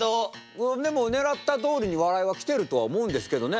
でもねらったとおりに笑いは来てるとは思うんですけどね。